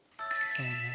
そうね。